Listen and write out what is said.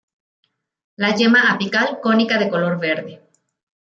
La yema apical cónica de color verde.